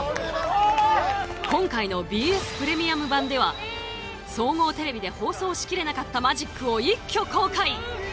今回のＢＳプレミアム版では総合テレビで放送し切れなかったマジックを一挙公開。